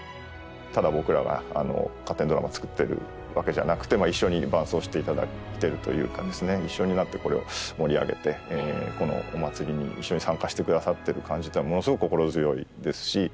ただ僕らが勝手にドラマ作ってるわけじゃなくて、一緒に伴走していただいているというか一緒になってこれを盛り上げてお祭りに一緒に参加してくださってる感じがものすごく心強いですし。